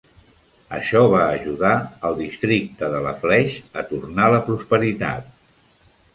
Això va ajudar el districte de Lafleche a tornar a la prosperitat.